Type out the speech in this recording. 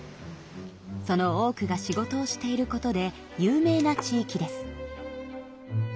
その多くが仕事をしていることで有名な地域です。